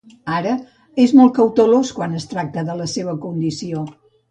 Ara, és molt cautelós quan es tracta de la seua condició.